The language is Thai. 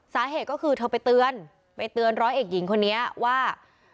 สาเหตุก็คือเธอไปเตือนไปเตือนร้อยเอกหญิงคนนี้ว่า